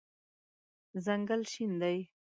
ځنګل شین دی